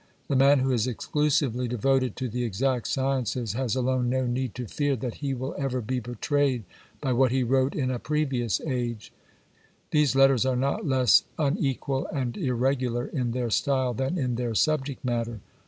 The man who is exclusively devoted to the exact sciences has alone no need to fear that he will ever be betrayed by what he wrote in a previous age. These letters are not less unequal and irregular in their style than in their subject matter.